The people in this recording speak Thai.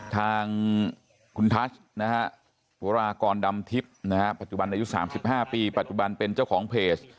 ทางคุณทาซปุรากรดำทิพย์ภูมินะครับปัจจุบันอายุ๓๕ปีปัจจุบันเป็นเจ้าของเปลช